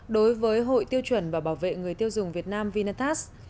đối với hội tiêu chuẩn và bảo vệ người tiêu dùng việt nam vinatast